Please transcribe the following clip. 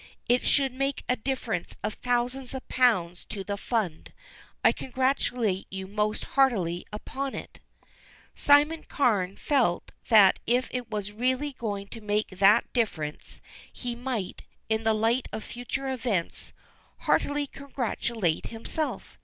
"It should make a difference of thousands of pounds to the fund. I congratulate you most heartily upon it." Simon Carne felt that if it was really going to make that difference he might, in the light of future events, heartily congratulate himself.